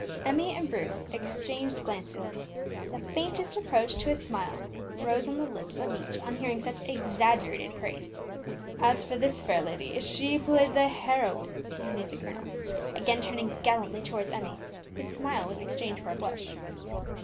Emmie and Bruce exchanged glances; the faintest approach to a smile rose on the lips of each on hearing such exaggerated praise. "As for this fair lady, she played the heroine," continued the colonel, again turning gallantly towards Emmie, whose smile was exchanged for a blush.